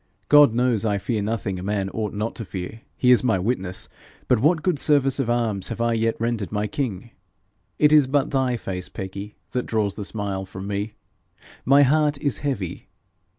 God knows I fear nothing a man ought not to fear he is my witness but what good service of arms have I yet rendered my king? It is but thy face, Peggy, that draws the smile from me. My heart is heavy.